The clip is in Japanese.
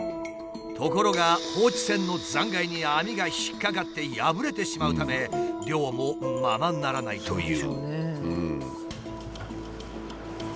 ところが放置船の残骸に網が引っ掛かって破れてしまうため漁もままならないという。